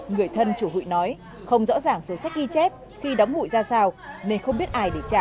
người thân chủ hụi nói không rõ ràng số sách ghi chép khi đóng hụi ra sao nên không biết ai để trả